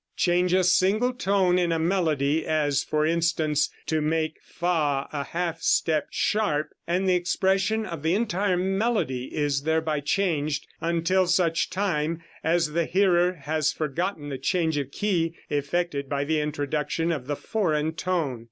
Change a single tone in a melody, as, for instance, to make fa a half step sharp, and the expression of the entire melody is thereby changed, until such time as the hearer has forgotten the change of key effected by the introduction of the foreign tone.